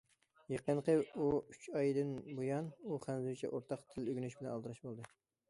يېقىنقى ئۇ ئۈچ ئايدىن بۇيان، ئۇ خەنزۇچە ئورتاق تىل ئۆگىنىش بىلەن ئالدىراش بولدى.